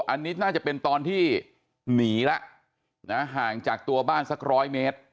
อันนี้น่าจะเป็นตอนที่หนีแล้วนะห่างจากตัวบ้านสักร้อยเมตร